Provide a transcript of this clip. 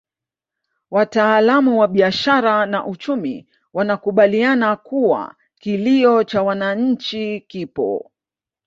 Wataalamu wa biashara na uchumi wanakubaliana kuwa kilio cha wananchi kipo